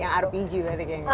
yang rpg berarti